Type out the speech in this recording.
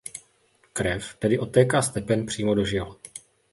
Krev tedy odtéká z tepen přímo do žil.